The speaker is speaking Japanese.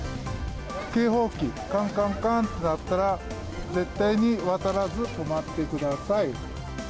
警報機、かんかんかんって鳴ったら、絶対に渡らず止まってください。